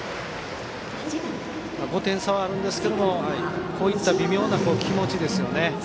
５点差はあるんですけどこういった微妙な気持ちですね。